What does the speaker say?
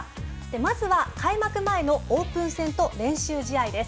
まずは開幕前のオープン戦と練習試合です。